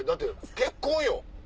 結婚よ。